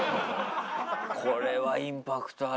これはインパクトある。